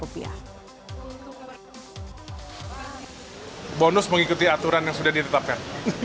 bonus mengikuti aturan yang sudah ditetapkan